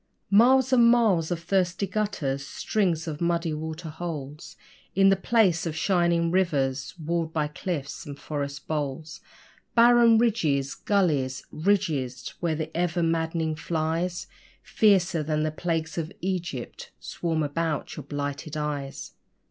Miles and miles of thirsty gutters strings of muddy water holes In the place of 'shining rivers' 'walled by cliffs and forest boles.' Barren ridges, gullies, ridges! where the ever madd'ning flies Fiercer than the plagues of Egypt swarm about your blighted eyes!